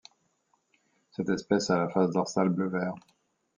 Cette espèce a la face dorsale bleu-vert.